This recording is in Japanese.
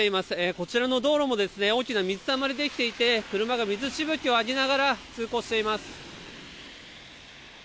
こちらの道路も大きな水たまりができていて車が水しぶきを上げながら通行しています。